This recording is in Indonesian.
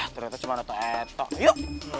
ternyata cuma doto eto yuk